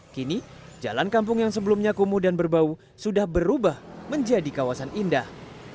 kini jalan kampung yang sebelumnya kumuh dan berbau sudah berubah menjadi kawasan indah